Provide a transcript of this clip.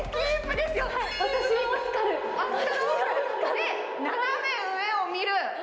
で、斜め上を見る。